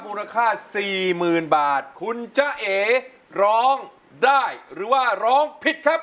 มูลค่าสี่หมื่นบาทคุณจ้าเอ๋ร้องได้หรือว่าร้องผิดครับ